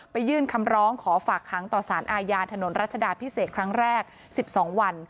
ยื่นคำร้องขอฝากค้างต่อสารอาญาถนนรัชดาพิเศษครั้งแรก๑๒วัน